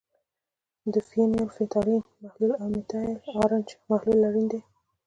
فینول فتالین محلول او میتایل ارنج محلول اړین دي.